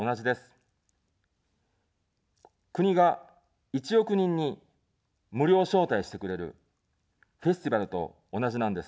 国が１億人に無料招待してくれるフェスティバルと同じなんです。